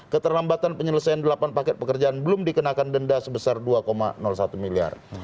keterlambatan penyelesaian delapan paket pekerjaan belum dikenakan denda sebesar dua satu miliar